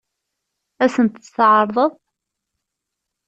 Ad sent-tt-tɛeṛḍeḍ?